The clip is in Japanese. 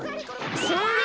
それ！